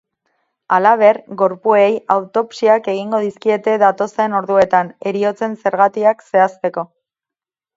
Halaber, gorpuei autopsiak egingo dizkiete datozen orduetan heriotzen zergatiak zehazteko.